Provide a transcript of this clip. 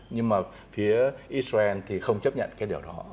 nhưng mà phía israel thì không chấp nhận cái điều đó